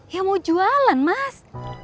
ya mau jualan mas